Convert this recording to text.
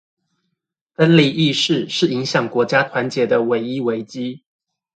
分離意識，是影響國家團結的唯一危機